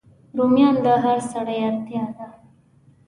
رومیان د هر سړی اړتیا ده